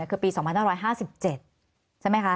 คือปี๒๕๕๗ใช่ไหมคะ